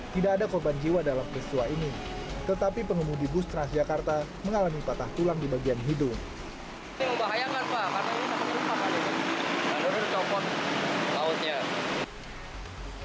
tidak ada korban jiwa dalam peristiwa ini tetapi pengemudi bus transjakarta mengalami patah tulang di bagian hidung